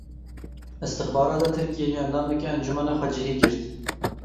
Îstixbarata Tirkiyeyê endamekî Encûmena Xwecihî girt.